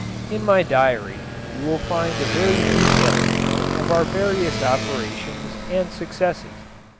In my diary, you will find a very detailed account of our various operations and successes.